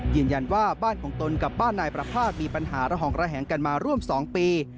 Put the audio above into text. ยืนยันว่าบ้านของตนกับบ้านนายประภาษณมีปัญหาระห่องระแหงกันมาร่วม๒ปี